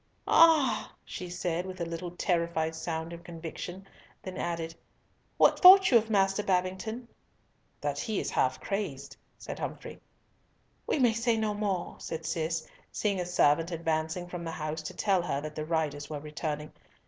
"Ah!" she said, with a little terrified sound of conviction, then added, "What thought you of Master Babington?" "That he is half crazed," said Humfrey. "We may say no more," said Cis, seeing a servant advancing from the house to tell her that the riders were returning.